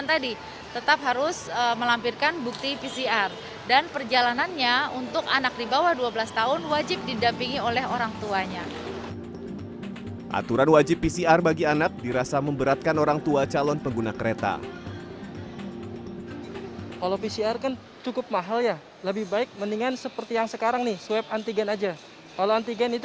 aturan wajib pcr bagi anak dirasa memberatkan orang tua calon pengguna kereta